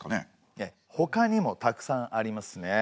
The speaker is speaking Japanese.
ええほかにもたくさんありますね。